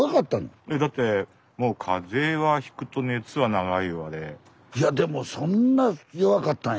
だって風邪はひくと熱は長いわで。